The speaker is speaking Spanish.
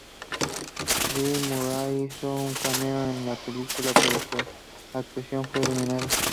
Bill Murray hizo un cameo en la película, pero su actuación fue eliminada.